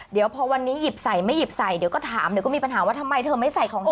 เดี๋ยวพอวันนี้หยิบใส่ไม่หยิบใส่เดี๋ยวก็ถามเดี๋ยวก็มีปัญหาว่าทำไมเธอไม่ใส่ของ